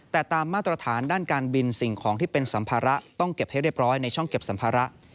แต่ตามมาตรฐานด้านการบินสิ่งของที่เป็นสัมภาระต้องเก็บให้เรียบร้อยในช่องเก็บสัมภาระ